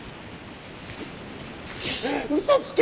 嘘つけ！